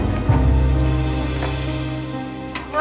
tunggu apa yang kamu lakukan